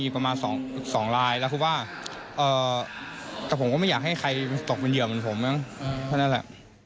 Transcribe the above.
เพราะนั่นแหละ